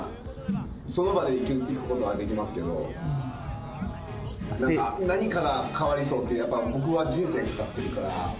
その場で行くことはできますけど、何かが変わりそうで、僕は人生かかってるから。